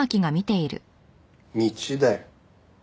道だよ。